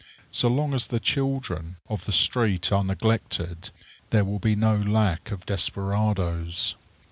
So long as the children of the street are neglected there will be no lack of desperadoes.